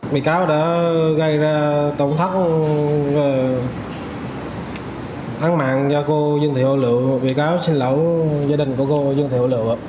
bị cáo đã gây ra tổn thất thắng mạng cho cô dương thị hồ lựu bị cáo xin lỗi gia đình của cô dương thị hồ lựu